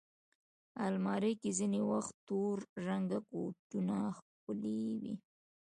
الماري کې ځینې وخت تور رنګه کوټونه ښکلي وي